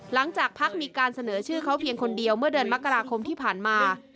หลังจากพักมีการเสนอชื่อเขาเพียงคนเดียวเมื่อเดือนมกราคมที่ผ่านมา